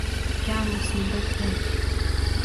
!کیا مصیبت ہے